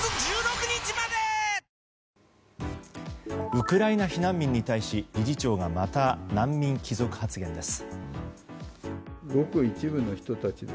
ウクライナ避難民に対し理事長がまた難民貴族発言です。